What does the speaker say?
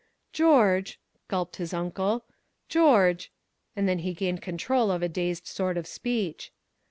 "George," gulped his uncle "George " And then he gained control of a dazed sort of speech.